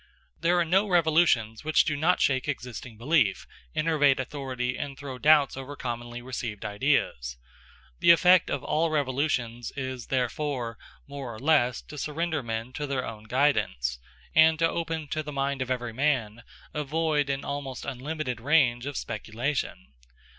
There are no revolutions which do not shake existing belief, enervate authority, and throw doubts over commonly received ideas. The effect of all revolutions is therefore, more or less, to surrender men to their own guidance, and to open to the mind of every man a void and almost unlimited range of speculation.